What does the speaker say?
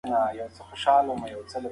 د مور ملاتړ د ماشوم باور پياوړی ساتي.